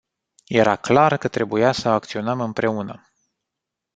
Era clar că trebuia să acționăm împreună.